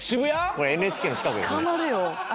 これＮＨＫの近くですね。